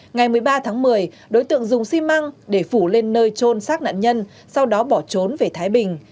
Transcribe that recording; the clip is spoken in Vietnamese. ngày một mươi ba tháng một mươi đối tượng dùng xi măng để phủ lên nơi trôn xác nạn nhân sau đó bỏ trốn về thái bình